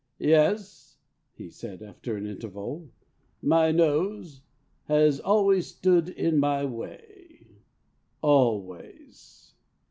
"Yes," he said, after an interval, "my nose has always stood in my way, always."